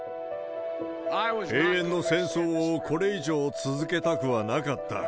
永遠の戦争をこれ以上続けたくはなかった。